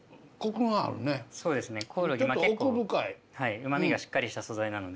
うまみがしっかりした素材なので。